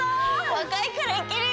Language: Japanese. わかいからいけるよ！